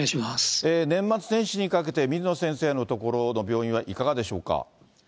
年末年始にかけて、水野先生のところの病院はいかがでしょうか。